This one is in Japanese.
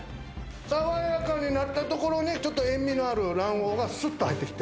爽やかになったところに、ちょっと塩味のある卵黄がすっと入ってきて。